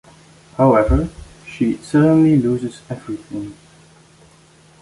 However, she suddenly loses everything.